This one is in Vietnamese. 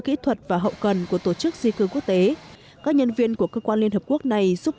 kỹ thuật và hậu cần của tổ chức di cư quốc tế các nhân viên của cơ quan liên hợp quốc này giúp